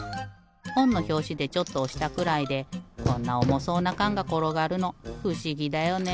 ほんのひょうしでちょっとおしたくらいでこんなおもそうなかんがころがるのふしぎだよね？